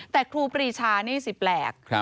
แต่ครูปรีชานี่สิแปลก